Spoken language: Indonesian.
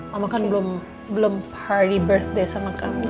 mama kan belum party birthday sama kamu